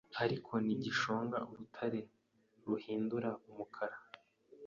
ariko ntigishonga urutare ruhinduka umukara